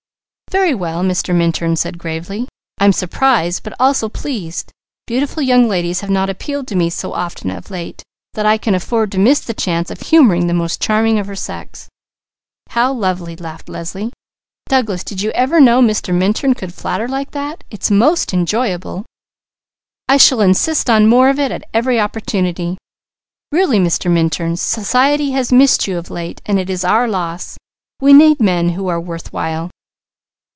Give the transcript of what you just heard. "Very well," Mr. Minturn said gravely. "I'm surprised, but also pleased. Beautiful young ladies have not appealed to me so often of late that I can afford to miss the chance of humouring the most charming of her sex." "How lovely!" laughed Leslie. "Douglas, did you ever know Mr. Minturn could flatter like that? It's most enjoyable! I shall insist on more of it, at every opportunity! Really, Mr. Minturn, society has missed you of late, and it is our loss. We need men who are worth while."